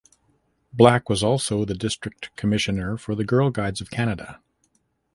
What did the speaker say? Black was also the district commissioner for the Girl Guides of Canada.